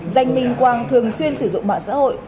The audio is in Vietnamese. danh minh quang thường xuyên sử dụng mạng xã hội